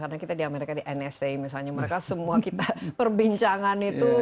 karena kita di amerika di nsa misalnya mereka semua kita perbincangan itu